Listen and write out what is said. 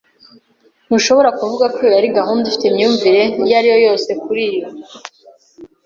Ntushobora kuvuga ko iyo yari gahunda ifite imyumvire iyo ari yo yose kuri yo.